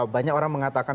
banyak orang mengatakan